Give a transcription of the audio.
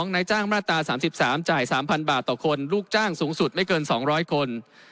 นายจ้างมาตรา๓๓จ่าย๓๐๐บาทต่อคนลูกจ้างสูงสุดไม่เกิน๒๐๐คน